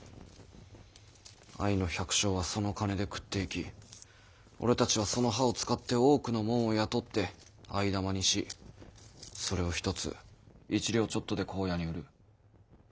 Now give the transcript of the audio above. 藍の百姓はその金で食っていき俺たちはその葉を使って多くの者を雇って藍玉にしそれを一つ１両ちょっとで紺屋に売る。